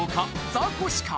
ザコシか？